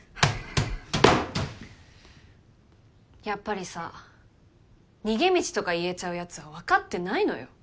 やっぱりさ逃げ道とか言えちゃうやつは分かってないのよ。